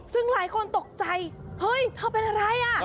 ซึ่งหลายคนตกใจเฮ้ยเธอเป็นอะไรอ่ะ